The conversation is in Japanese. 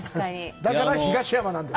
だから東山なんです。